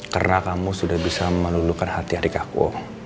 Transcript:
karena kamu sudah bisa meluluhkan hati adik aku